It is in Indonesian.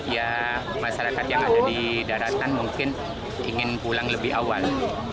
ya masyarakat yang ada di daratan mungkin ingin pulang lebih awal